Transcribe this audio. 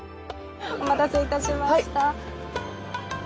お待たせいたしました。